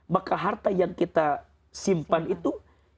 maka harta yang kita simpan itu